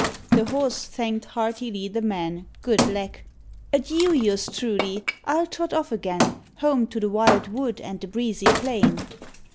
The Horse thanked heartily the Man, good lack: "Adieu, yours truly, I'll trot off again, Home to the wild wood and the breezy plain."